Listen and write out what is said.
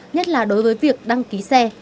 nhất là đối với việc đăng ký xe